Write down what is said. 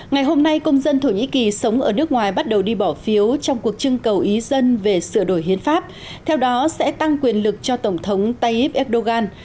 ngày hôm nay công dân thổ nhĩ kỳ sống ở nước ngoài bắt đầu đi bỏ phiếu trong cuộc trưng cầu ý dân về sửa đổi hiến pháp theo đó sẽ tăng quyền lực cho tổng thống tayyip erdogan